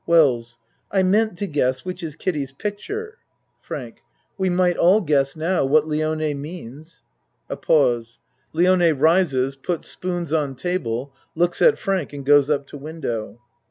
WELLS I meant to guess which is Kiddie's pic ture. FRANK We might all guess now what Lione means. (A pause Lione rises puts spoons on ta ble looks at Frank and goes up to window.)